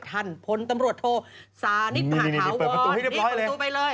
ท่านพนธุ์ตำรวจโทสานิกหาหาวรนี่เปิดประตูไปเลย